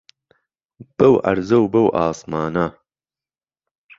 بەو عەرزە و بە عاسمانە